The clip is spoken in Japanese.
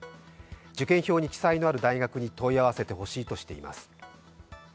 受験票に記載のある大学に問い合わせてほしいとしています。